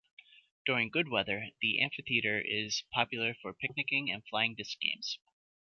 During good weather, the amphitheater is popular for picnicking and flying disc games.